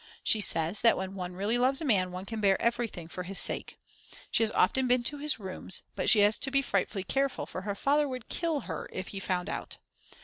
She says that when one really loves a man one can bear everything for his sake. She has often been to his rooms, but she has to be frightfully careful for her father would kill her if he found out.